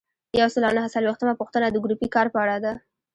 یو سل او نهه څلویښتمه پوښتنه د ګروپي کار په اړه ده.